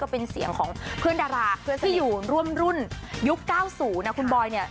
เป็นเสียงของเพื่อนดาราที่อยู่ร่วมรุ่นยุคเก้าศูนย์นะคุณบอย